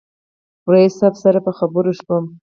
رئیس صاحب سره په خبرو شوم.